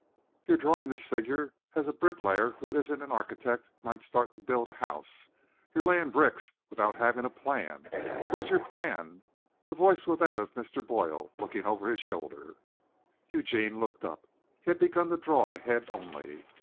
"You're drawing this figure as a bricklayer who isn't an architect might start to build a house. You're laying bricks without having a plan. Where's your plan?" The voice was that of Mr. Boyle looking over his shoulder. Eugene looked up. He had begun to draw the head only.